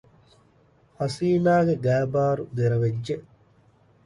ހަސީނާގެ ގައިބާރު ދެރަވެއްޖެ